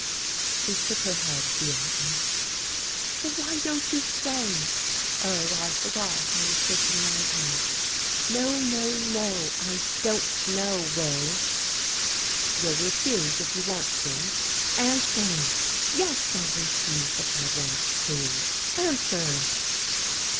She shook her head vehemently. "So why don't you say? Oh, I forgot — I was shaking my head! No, no, no; I dorit know, Will!" "You'll refuse if you want to?" "Answer! Yes, I'll refuse if I want to. An swer!"